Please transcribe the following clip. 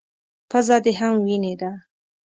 _پزه دې هم وينې ده.